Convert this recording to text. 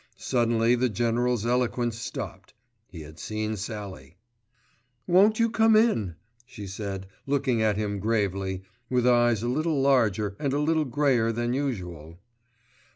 Suddenly the General's eloquence stopped. He had seen Sallie. "Won't you come in," she said looking at him gravely, with eyes a little larger and a little grayer than usual.